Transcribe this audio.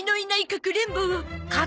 かくれんぼ！？